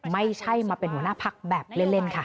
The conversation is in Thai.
ไม่ใช่มาเป็นหัวหน้าพักแบบเล่นค่ะ